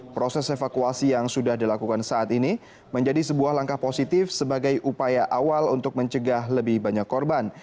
proses evakuasi yang sudah dilakukan saat ini menjadi sebuah langkah positif sebagai upaya awal untuk mencegah lebih banyak korban